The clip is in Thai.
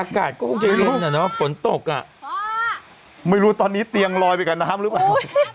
อากาศก็คงจะล้นอ่ะเนอะฝนตกอ่ะไม่รู้ตอนนี้เตียงลอยไปกับน้ำหรือเปล่า